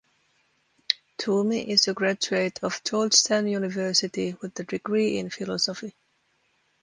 Toomey is a graduate of Georgetown University with a degree in philosophy.